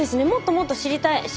もっともっと知りたい。